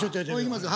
いきます